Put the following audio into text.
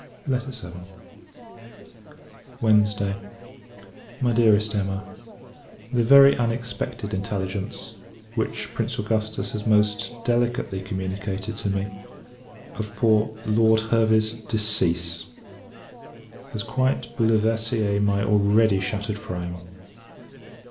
VII. Wednesday. MY DEAREST EMMA, The very unexpected intelligence, which Prince Augustus has most delicately communicated to me, of poor Lord Hervey's decease, has quite bouleversée my already shattered frame.